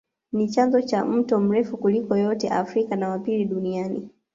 Ni chanzo cha mto mrefu kuliko yote Afrika na wa pili Duniani